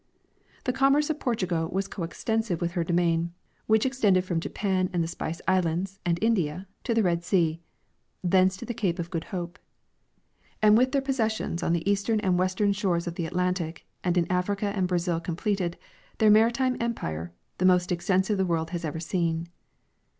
The commerce of Portugal was coextensive with her dominion, which extended from Japan and the Spice islands and India to the Red sea, thence to the cape of Good Hope ; and with their possessions on the eastern and western shores of the Atlantic and in Africa and Brazil' completed their maritime empire, the most extensive the world has ever seen.